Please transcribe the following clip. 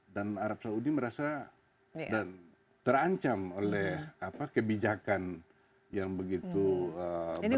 dan arab saudi merasa terancam oleh kebijakan yang begitu berani